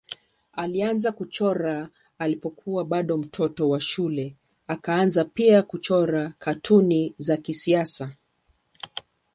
Alianza kuchora alipokuwa bado mtoto wa shule akaanza pia kuchora katuni za kisiasa.